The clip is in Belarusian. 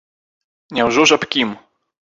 Няўжо ж аб кім?